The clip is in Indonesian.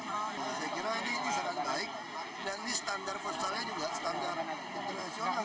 saya kira ini sedang baik dan ini standar fiskalnya juga standar internasional